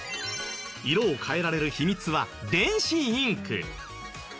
色を変えられる秘密は電子インク。